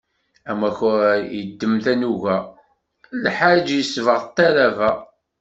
Amakar iddem tanuga, lḥaǧ isbeɣ talaba.